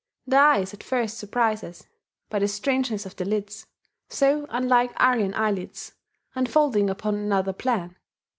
The eyes at first surprise us, by the strangeness of their lids, so unlike Aryan eyelids, and folding upon another plan.